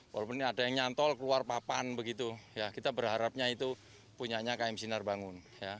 walaupun ada yang nyantol keluar papan begitu kita berharapnya itu punya km sinar bangun